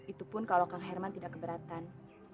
itu pun kalau kang herman tidak keberatan